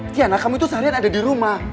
tiana kamu itu seharian ada di rumah